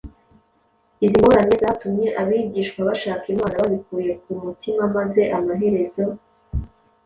Izi ngorane zatumye abigishwa bashaka Imana babikuye ku mutima maze amaherezo,